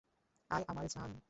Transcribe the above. আয় আমার জান।